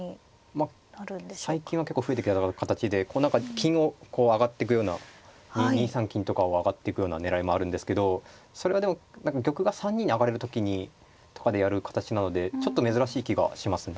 まあ最近は結構増えてきた形で何か金を上がっていくような２三金とかを上がっていくような狙いもあるんですけどそれはでも何か玉が３二に上がれる時にとかでやる形なのでちょっと珍しい気がしますね。